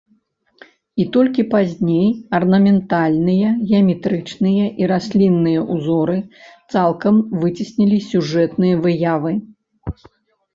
І толькі пазней арнаментальныя геаметрычныя і раслінныя ўзоры цалкам выцеснілі сюжэтныя выявы.